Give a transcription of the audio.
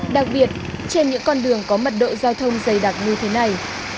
đặc biệt trên những con đường có mật độ giao thông dày đặc như thế này